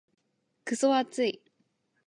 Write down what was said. クソ暑い。